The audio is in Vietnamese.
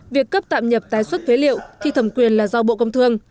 việc cấp tạm nhập tái xuất phế liệu thì thẩm quyền là do bộ công thương